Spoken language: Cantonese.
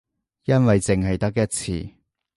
因為淨係得一次